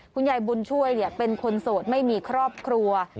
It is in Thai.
คุณยายบุญช่วยเป็นคนโสดไม่มีครอบครัว